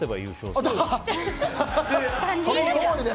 そのとおりです！